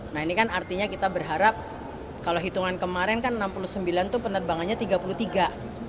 nah ini kan artinya kita berharap kalau hitungan kemarin kan enam puluh sembilan itu penerbangannya tiga puluh tiga